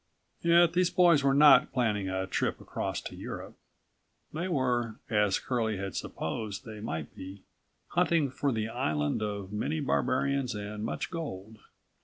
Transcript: Yet these boys were not planning a trip across to Europe. They were, as Curlie had supposed they might be, hunting for the island of "many barbarians and much gold."